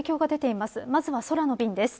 まずは空の便です。